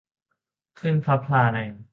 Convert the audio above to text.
ขึ้นพลับพลาใน